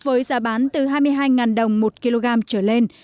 với giá bán từ hai mươi hai đồng một kg trở lên